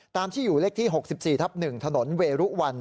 ที่อยู่เลขที่๖๔ทับ๑ถนนเวรุวัน